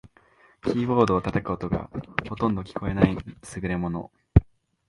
キーボードを叩く音がほとんど聞こえない優れもの